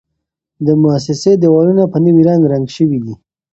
د موسسې دېوالونه په نوي رنګ رنګ شوي دي.